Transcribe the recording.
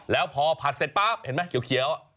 แล้วพอผัดเสร็จปั๊บเห็นไหมเขียว